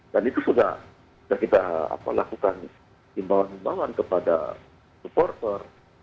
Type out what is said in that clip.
dan itu sudah kita lakukan imbau imbauan kepada supporter